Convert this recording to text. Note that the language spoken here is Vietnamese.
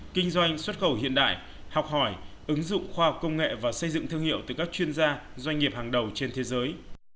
kinh doanh xuất khẩu hiện đại học hỏi ứng dụng khoa học công nghệ và xây dựng thương hiệu từ các chuyên gia doanh nghiệp hàng đầu trên thế giới